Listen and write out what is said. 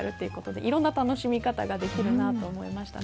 いろいろな楽しみ方ができるなと思いました。